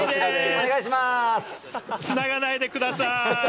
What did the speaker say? つながないでください。